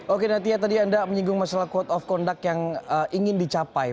oke natia tadi anda menyinggung masalah quote of conduct yang ingin dicapai